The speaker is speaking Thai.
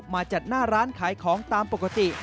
มาจัดหน้าร้านขายของตามปกติ